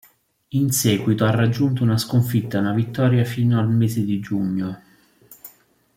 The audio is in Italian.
In seguito ha raggiunto una sconfitta e una vittoria fino al mese di giugno.